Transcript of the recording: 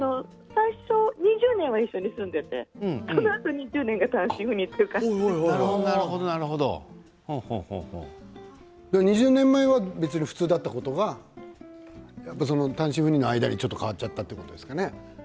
最初１０年は一緒に住んでいてじゃあ２０年前は別に普通だったことが単身赴任の間にちょっと変わっちゃったということですかね？